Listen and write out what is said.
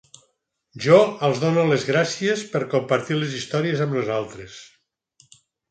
Jo els dono les gràcies per compartir les històries amb nosaltres.